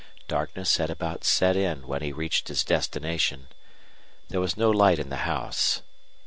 Darkness had about set in when he reached his destination. There was no light in the house.